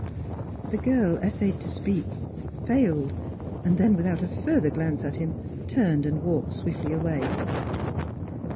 The girl essayed to speak, failed; then without a further glance at him turned and walked swiftly away.